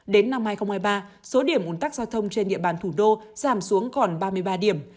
đến năm hai nghìn hai mươi ba số điểm ồn tắc giao thông trên địa bàn thủ đô giảm xuống còn ba mươi ba điểm